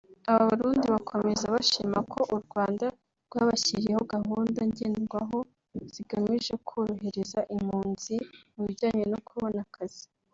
Aba Barundi bakomeza bashima ko u Rwanda rwabashyiriyeho gahunda ngenderwaho zigamije korohereza impunzi mu bijyanye no kubona akazi